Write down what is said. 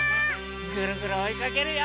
ぐるぐるおいかけるよ！